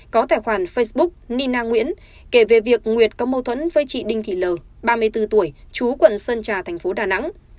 có tài khoản facebook nina nguyễn kể về việc nguyệt có mâu thuẫn với chị đinh thị l ba mươi bốn tuổi chú quận sơn trà thành phố đà nẵng